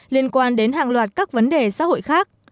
liên quan đến hàng loạt các vấn đề xã hội khác